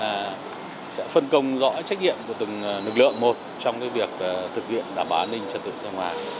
các đơn vị sẽ phân công rõ trách nhiệm của từng lực lượng một trong việc thực hiện đảm bảo an ninh trật tự trong và ngoài